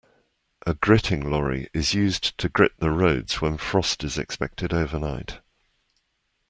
A gritting lorry is used to grit the roads when frost is expected overnight